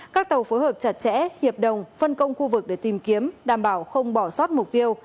các tàu phối hợp chặt chẽ hiệp đồng phân công khu vực để tìm kiếm đảm bảo không bỏ sót mục tiêu